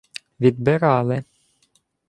— Відбирали.